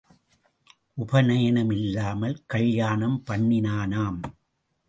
உபநயனம் இல்லாமல் கல்யாணம் பண்ணினானாம்.